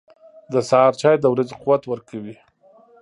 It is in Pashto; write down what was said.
• د سهار چای د ورځې قوت ورکوي.